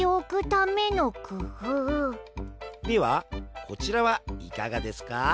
ではこちらはいかがですか？